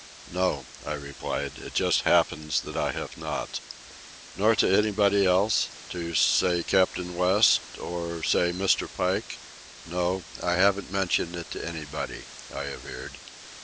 "No," I replied. "It just happens that I have not." "Nor to anybody else?—to, say, Captain West?—or, say, Mr. Pike?" "No, I haven't mentioned it to anybody," I averred.